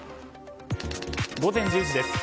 午前１０時です。